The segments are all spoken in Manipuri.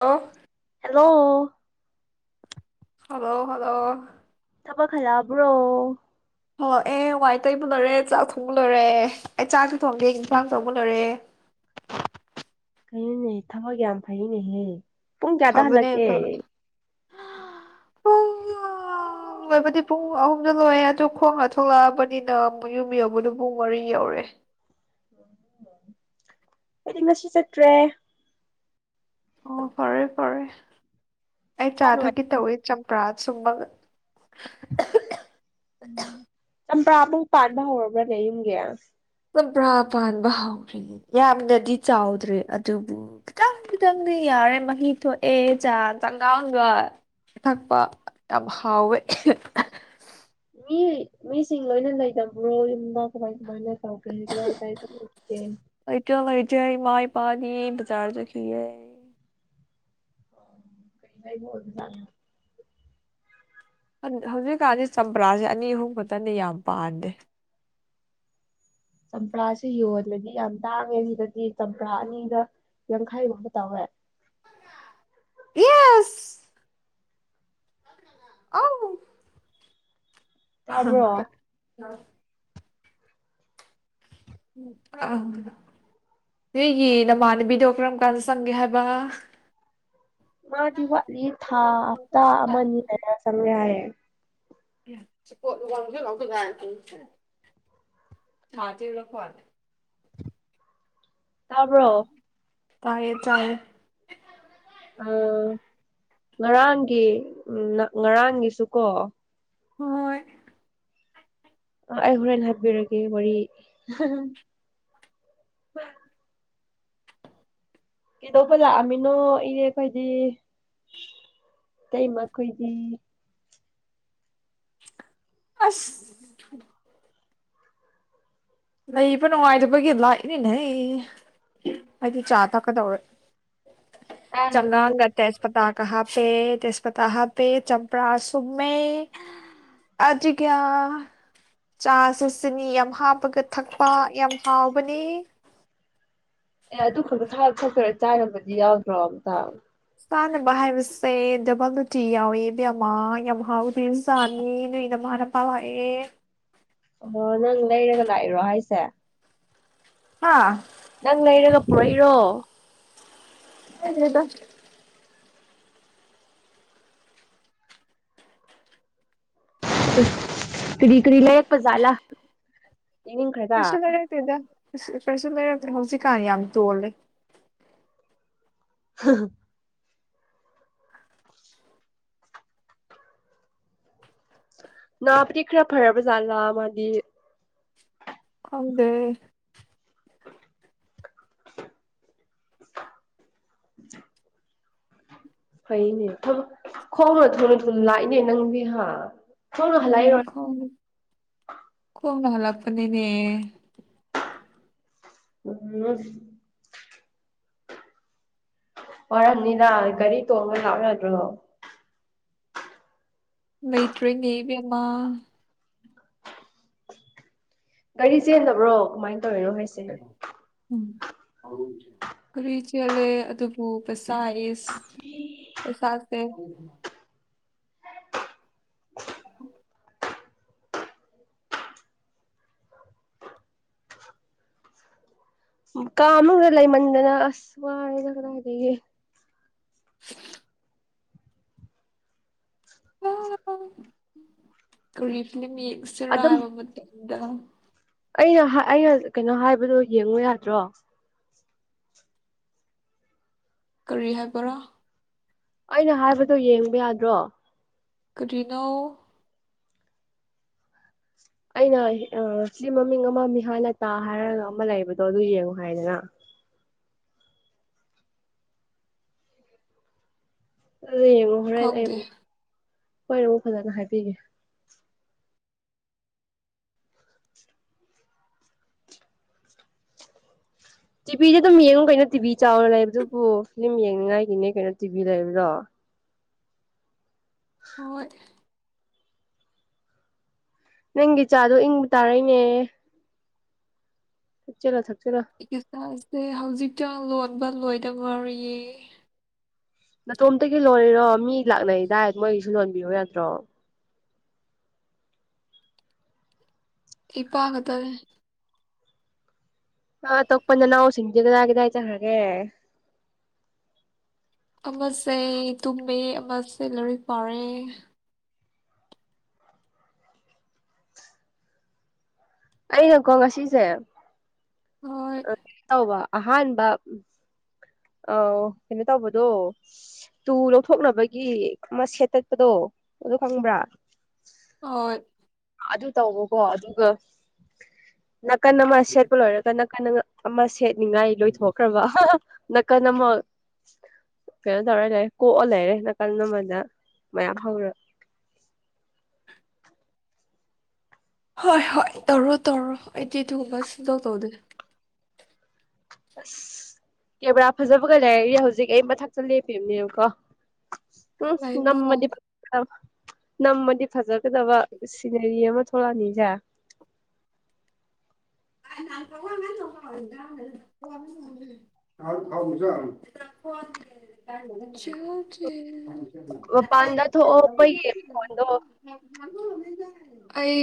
ꯑꯣ ꯍꯜꯂꯣ ꯍꯜꯂꯣ ꯍꯜꯂꯣ ꯊꯕꯛ ꯍꯜꯂꯥꯑꯕ꯭ꯔꯣ ꯍ ꯑꯦ ꯋꯥꯏ ꯇꯩꯕ ꯂꯣꯏꯔꯦ ꯆꯥꯛ ꯊꯣꯡꯕ ꯂꯣꯏꯔꯦ ꯑꯩ ꯆꯥꯛꯁꯨ ꯊꯣꯡꯒꯦ ꯏꯟꯁꯥꯡ ꯊꯣꯡꯕ ꯂꯣꯏꯔꯦ ꯀꯩꯅꯣꯅꯦ ꯊꯕꯛ ꯌꯥꯝ ꯐꯩꯅꯦꯍꯦ ꯄꯨꯡ ꯀꯌꯥꯗ ꯐꯕꯅꯦ ꯍꯜꯂꯛꯀꯦ [unintelligible] ꯂꯣꯏꯕꯗꯤ ꯄꯨꯡ ꯑꯍꯨꯝꯗ ꯂꯣꯏꯑꯦ ꯑꯗꯨ ꯈꯣꯡꯒ ꯊꯣꯛꯂꯛꯑꯕꯅꯤꯅ ꯃꯌꯨꯝ ꯌꯧꯕꯗꯣ ꯄꯨꯡ ꯃꯔꯤ ꯌꯧꯔꯦ ꯑꯩꯗꯤ ꯉꯁꯤ ꯆꯠꯇ꯭ꯔꯦ ꯑꯣ ꯐꯔꯦ ꯐꯔꯦ ꯑꯩ ꯏꯁꯥ ꯆꯥ ꯅꯨꯡꯉꯥꯏ ꯊꯛꯀꯦ ꯇꯧꯋꯦ ꯆꯝꯄ꯭ꯔꯥ ꯁꯨꯝꯃꯒ [unintelligible] ꯎ ꯆꯝꯄ꯭ꯔꯥꯕꯨ ꯄꯥꯟꯕꯥ ꯍꯧꯔꯕ꯭ꯔꯥꯅꯦ ꯌꯨꯝꯒꯦ ꯆꯝꯄ꯭ꯔꯥ ꯄꯥꯟꯕ ꯍꯧꯈ꯭ꯔꯤꯌꯦ ꯌꯥꯝꯅꯗꯤ ꯆꯥꯎꯗ꯭ꯔꯦ ꯑꯗꯨꯕꯨ ꯈꯤꯇꯪ ꯈꯤꯇꯪꯗꯤ ꯌꯥꯔꯦ ꯃꯍꯤ ꯊꯣꯛꯑꯦ ꯆꯥ ꯆꯥꯠꯉꯥꯡꯒ ꯊꯛꯄ ꯌꯥꯝ ꯍꯥꯎꯋꯦ [unintelligible] ꯃꯤ ꯃꯤꯁꯤꯡ ꯂꯣꯏꯅ ꯂꯩꯇꯕ꯭ꯔꯣ ꯌꯨꯝꯗ ꯀꯃꯥꯏ ꯀꯃꯥꯏꯅ ꯇꯧꯒꯦ ꯀꯗꯥꯏ ꯀꯗꯥꯏ ꯆꯠꯂꯨ ꯒꯦ ꯂꯩꯇꯦ ꯂꯩꯇꯦ ꯏꯃꯥ ꯏꯄꯥ ꯑꯅꯤ ꯕꯖꯥꯔ ꯆꯈꯤꯌꯦ ꯀꯩ ꯂꯩꯕ ꯑꯣꯏꯕꯖꯥꯠꯂ ꯍꯧꯖꯤꯛꯀꯥꯟꯗꯤ ꯆꯝꯄ꯭ꯔꯥꯁꯦ ꯑꯅꯤ ꯑꯍꯨꯝ ꯈꯛꯇꯗꯤ ꯌꯥꯝ ꯄꯥꯟꯗꯦ ꯆꯝꯄ꯭ꯔꯥꯁꯦ ꯌꯣꯟꯂꯗꯤ ꯌꯥꯝ ꯇꯥꯡꯉꯦ ꯁꯤꯗꯗꯤ ꯆꯝꯄ꯭ꯔꯥ ꯑꯅꯤꯗ ꯌꯥꯡꯈꯩꯒꯨꯝꯕ ꯇꯧꯋꯦ ꯌꯦꯁ ꯑꯧ ꯇꯥꯕ꯭ꯔꯣ ꯑ ꯑ ꯅꯒꯤ ꯅꯃꯥꯟꯅꯕꯤꯗꯣ ꯀꯔꯝ ꯀꯥꯟꯗ ꯆꯪꯒꯦ ꯍꯥꯏꯕ ꯃꯥꯗꯤ ꯋꯥꯠꯂꯤ ꯊꯥ ꯍꯞꯇꯥ ꯑꯃꯅꯤ ꯍꯥꯏꯅ ꯆꯪꯦ ꯍꯥꯏꯌꯦꯦ [unintelligible] ꯑꯥ ꯇ ꯂꯈꯗ ꯇꯥꯕ꯭ꯔꯣ ꯇꯥꯏꯌꯦ ꯆꯥꯏꯌꯦ ꯑ ꯉꯔꯥꯡꯒꯤ ꯎ ꯉꯔꯥꯡꯒꯤꯁꯨ ꯀꯣ ꯍꯣꯏ ꯑ ꯑꯩ ꯍꯣꯔꯦꯟ ꯍꯥꯏꯕꯤꯔꯀꯦ ꯋꯥꯔꯤ ꯍ ꯀꯤꯗꯧꯕ ꯂꯛꯑꯝꯃꯤꯅꯣ ꯏꯅꯦ ꯈꯣꯏꯗꯤ ꯑꯇꯩꯃ ꯈꯣꯏꯗꯤ ꯑꯁ ꯂꯩꯕ ꯅꯨꯡꯉꯥꯏꯇꯕꯒꯤ ꯂꯥꯛꯏꯅꯤꯅꯦꯍ ꯍꯥꯏꯗꯤ ꯆꯥ ꯊꯛꯀꯗꯧꯔꯦ ꯆꯉ ꯥꯡꯅ ꯑꯦ ꯇꯦꯁ꯭ꯇ ꯄꯇꯥ ꯀ ꯄꯦ ꯇꯁꯄꯇ ꯄꯦ ꯆꯝꯄ꯭ꯔꯥ ꯁꯃꯦ ꯑꯗꯨꯒꯤ ꯆꯥꯥꯁ ꯁꯤꯅꯤ ꯌꯥꯝ ꯍꯥꯞꯄꯒ ꯊꯛꯄ ꯌꯥꯝ ꯍꯥꯎꯕꯅꯤ ꯑꯦ ꯑꯗꯨ ꯈꯛꯇꯔ ꯆꯥꯅꯕꯗꯤ ꯌꯥꯎꯗ꯭ꯔꯣ ꯑꯨꯇ ꯆꯥꯅꯕ ꯍꯥꯏꯕꯁꯦ ꯗꯕꯜꯨ ꯇꯤ ꯌꯥꯎꯋꯦꯕꯃꯥ ꯌꯥꯝ ꯍꯥꯎꯗ ꯆꯥꯅꯤ ꯅꯣꯏꯅ ꯃꯥꯅ ꯄꯥꯎ ꯍꯥꯏꯌꯦ ꯑꯣ ꯅꯪ ꯂꯩꯔꯒ ꯂꯥꯛꯏꯔꯣ ꯍꯥꯏꯁꯦ ꯍꯥꯥ ꯅꯪ ꯂꯩꯔꯒ ꯄꯨꯔꯛꯏꯔꯣ ꯈꯪꯗ꯭ꯔꯦꯗ ꯑꯦ ꯀꯔꯤ ꯀꯔꯤ ꯂꯩꯔꯛꯄꯖꯥꯠꯂꯥ ꯀꯩꯁꯨ ꯂꯩꯔꯛꯇꯦꯗ ꯀꯩꯁꯨ ꯂꯩꯔꯛꯇꯦ ꯍꯧꯖꯤꯛꯀꯥꯟꯅ ꯌꯥꯝ ꯇꯣꯜꯂꯦ ꯍꯥ ꯍꯥ ꯅ ꯏ ꯈꯔ ꯐꯔꯔꯕ ꯆꯂ ꯃꯥꯅꯤ ꯈꯪꯗꯦ [unintelligible] ꯐꯩꯅꯦ ꯊꯕ ꯈꯣꯡꯅ ꯊꯨꯅ ꯊꯨꯅ ꯂꯥꯛꯏꯅꯦ ꯅꯪꯗꯤ ꯍꯥ ꯊꯨꯅ ꯍꯜꯂꯛꯏꯔꯣ ꯎꯝ ꯈꯣꯡꯅꯦ ꯍꯥꯂꯄꯅꯤꯅꯦ [unintelligible] ꯃꯔꯝꯅꯤꯅ ꯀꯒꯥꯔꯤ ꯇꯣꯡꯕ ꯂꯥꯛ ꯌꯥꯗ꯭ꯔꯣ ꯃꯩꯇ꯭ꯔꯦꯅꯦꯏꯕꯦꯝꯃ ꯒꯥꯔꯤ ꯆꯦꯟꯗꯕ꯭ꯔꯣ ꯀꯃꯥꯏ ꯇꯧꯔꯤꯔꯣ ꯍꯥꯏꯁꯦ ꯀꯩꯅꯣ ꯎꯝ ꯀ꯭ꯔꯤ ꯆꯦꯜꯂꯦ ꯑꯗꯨꯕꯨ ꯄꯩꯁꯥ ꯏꯁ ꯑꯦꯦ [unintelligible] ꯀꯥ ꯃꯅꯨꯡꯗ ꯑꯁ ꯋꯥꯔꯦꯗ ꯀꯗꯥꯏꯗꯒꯤ [unintelligible] ꯀꯔꯤ ꯐꯤꯂꯝ ꯌꯦꯛꯁꯤꯔꯣ ꯑꯗꯨꯝ ꯍꯥꯏꯕ ꯃꯇꯝꯗ ꯑꯩꯅ ꯑꯩꯅ ꯀꯩꯅꯣ ꯍꯥꯏꯕꯗꯣ ꯌꯦꯡꯉꯨ ꯌꯥꯗ꯭ꯔꯣ ꯀꯔꯤ ꯍꯥꯏꯕꯔꯣ ꯑꯩꯅ ꯍꯥꯏꯕꯗꯣ ꯌꯦꯡꯕ ꯌꯥꯗ꯭ꯔꯣ ꯀ꯭ꯔꯤꯅꯣ ꯑꯩꯅ ꯑꯥ ꯁꯤ ꯃꯃꯤꯡ ꯑꯃ ꯃꯤꯍꯥꯅꯇꯥ ꯍꯥꯏꯔꯒ ꯑꯃ ꯂꯩꯕꯗꯣ ꯑꯗꯨ ꯌꯦꯡꯉꯨ ꯍꯥꯏꯗꯅ ꯑꯗꯨ ꯌꯦꯡꯉꯣ ꯍꯣꯔꯦꯟ ꯑꯩ ꯈꯪꯗꯦ ꯑꯃꯨꯛ ꯍꯣꯏꯨ ꯐꯖꯅ ꯍꯥꯏꯕꯤꯒꯦ ꯇꯤꯚꯤꯗ ꯑꯗꯨꯝ ꯌꯦꯡꯉꯨ ꯀꯩꯅꯣ ꯇꯤꯚꯤ ꯆꯥꯎꯅ ꯂꯩꯕꯗꯨꯕꯨ ꯐꯤꯂꯝ ꯌꯦꯡꯅꯤꯡꯉꯥꯏꯒꯤꯅꯦ ꯀꯩꯅꯣ ꯇꯤꯚꯤ ꯂꯩꯕꯗꯣ ꯍꯣꯏ ꯅꯪꯒꯤ ꯆꯥꯗꯣ ꯏꯪꯕ ꯇꯥꯔꯦꯅꯦ ꯊꯛꯆꯜꯔꯣ ꯊꯛꯆꯜꯔꯣ ꯑꯩꯒꯤ ꯆꯥꯁꯦ ꯍꯧꯖꯤꯛꯛꯇ ꯂꯣꯟꯕ ꯂꯣꯏꯗ ꯉꯥꯏꯔꯤꯌꯦ ꯅꯥꯇꯣꯝꯇꯒꯤ ꯂꯣꯜꯂꯤꯔꯣ ꯃꯤ ꯂꯥꯛꯅꯩꯗꯥꯏ ꯃꯣꯏꯒꯤꯁꯨ ꯂꯣꯟꯕꯤꯌꯣ ꯌꯥꯗ꯭ꯔꯣ ꯅꯤꯄꯥꯝ ꯈꯛꯇꯅꯦ ꯑꯥ ꯑꯇꯣꯞꯄ ꯅꯥꯅꯥꯎ ꯁꯤꯡꯗꯤ ꯀꯗꯥꯏ ꯀꯗꯥꯏ ꯆꯠꯈꯔꯒꯦ ꯑꯃꯁꯦ ꯇꯨꯝꯃꯦ ꯑꯃꯁꯦ ꯂꯥꯏꯔꯤꯛ ꯄꯥꯔꯦ ꯑꯩꯅꯀꯣ ꯉꯁꯤꯖꯦ ꯍꯣꯏ ꯀꯩꯅꯣ ꯇꯧꯕ ꯑꯍꯥꯟꯕ ꯑꯥꯎ ꯀꯩꯅꯣ ꯇꯧꯕꯗꯣ ꯇꯨ ꯂꯧꯊꯣꯛꯅꯕꯒꯤ ꯑꯃꯥ ꯁꯦꯠꯇꯠꯄꯗꯣ ꯑꯗꯨ ꯈꯪꯕ꯭ꯔꯥ ꯑꯣ ꯑꯗꯨ ꯇꯧꯕꯀꯣ ꯑꯗꯨꯒ ꯅꯥꯀꯟ ꯑꯃ ꯁꯦꯠꯄ ꯂꯣꯏꯔꯒ ꯅꯡ ꯅꯥꯀ ꯑꯃ ꯁꯦꯠꯅꯤꯉꯥꯏ ꯂꯣꯏꯊꯣꯛꯈ꯭ꯔꯕ ꯅꯥꯀꯟ ꯑꯃ ꯀꯩꯅꯣ ꯇꯧꯔꯦ ꯑꯗꯩ ꯀꯣꯛꯑ ꯂꯩꯔꯦ ꯅꯥꯀꯜ ꯑꯃꯗ ꯃꯌꯥꯝ ꯍꯧꯔ ꯍꯣꯏ ꯍꯣꯏ ꯇꯧꯔꯣ ꯇꯧꯔꯣ ꯑꯩꯗꯤ ꯑꯗꯨꯒꯨꯝꯕ ꯁꯨꯡꯇꯧ ꯇꯧꯗꯦ ꯑꯁ ꯀꯦꯃꯦꯔꯥ ꯐꯖꯕꯒ ꯂꯩꯔꯗꯤ ꯍꯧꯖꯤꯛ ꯑꯩ ꯃꯊꯛꯇ ꯂꯦꯞꯄꯤꯕꯅꯦꯕꯀꯣ ꯃꯥ ꯎꯝ ꯂꯥꯛꯑꯦ ꯃꯥ ꯅꯝꯃꯗꯤ ꯂꯥꯛꯑꯦ ꯐꯖꯥꯗꯧ ꯅꯝꯃꯗꯤ ꯐꯖꯥ ꯆꯀꯗꯕ ꯁꯤꯅꯔꯤ ꯑꯃ ꯊꯣꯂꯛꯑꯅꯤꯖꯦ [unintelligible] [unintelligible] ꯃꯄꯥꯟꯗ ꯊꯣꯛꯑꯣ [unintelligible] ꯑꯩ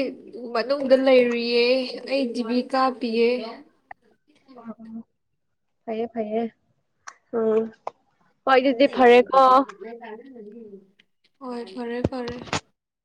ꯃꯅꯨꯡꯗ ꯂꯩꯔꯤꯌꯦ ꯑꯩ ꯇꯤꯕꯤ ꯀꯥꯞꯄꯤꯌꯦ ꯐꯩꯌꯦ ꯐꯩꯌꯦ ꯎꯝ ꯍꯣꯏ ꯑꯗꯨꯗꯤ ꯐꯔꯦꯀꯣ [unintelligible] ꯍꯣꯏ ꯐꯔꯦ ꯐꯔꯦ